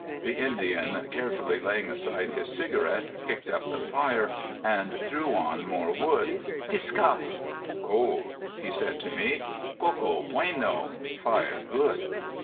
The Indian, carefully laying aside his cigarette, kicked up the fire and threw on more wood. "Discass! (cold)," he said to me. "Coco, bueno (fire good)."